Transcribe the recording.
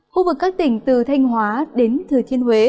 khu vực các tỉnh từ thanh hóa đến thừa thiên huế